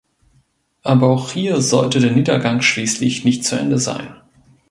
Aber auch hier sollte der Niedergang schließlich nicht zu Ende sein.